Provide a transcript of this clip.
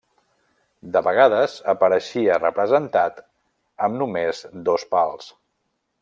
De vegades apareixia representat amb només dos pals.